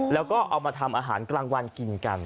แล้วก็เอามาทำอาหารกลางวันกินกัน